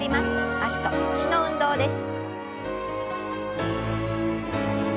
脚と腰の運動です。